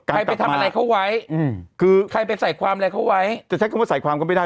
ไปทำอะไรเขาไว้คือใครไปใส่ความอะไรเขาไว้จะใช้คำว่าใส่ความก็ไม่ได้